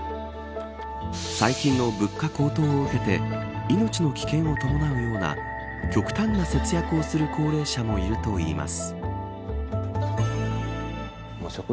最近の物価高騰を受けて命の危険を伴うような極端な節約をする高齢者もいるといいます。